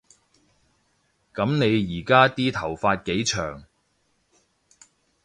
噉你而家啲頭髮幾長